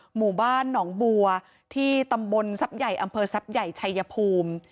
หมู่บ้านหนองบัวที่ตำบลทรัพย์ใหญ่อำเภอทรัพย์ใหญ่ชัยภูมิ